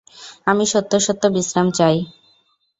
আমি সত্য সত্য বিশ্রাম চাই।